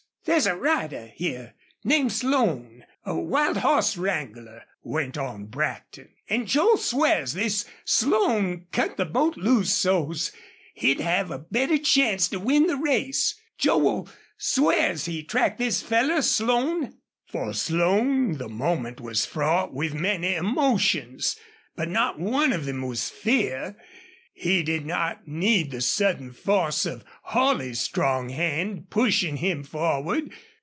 "There's a rider here named Slone a wild hoss wrangler," went on Brackton, "an' Joel swears this Slone cut the boat loose so's he'd have a better chance to win the race. Joel swears he tracked this feller Slone." For Slone the moment was fraught with many emotions, but not one of them was fear. He did not need the sudden force of Holley's strong hand, pushing him forward.